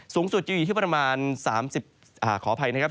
สูงสุดอยู่ที่ประมาณ๓๔๓๕องศาเซลเซียส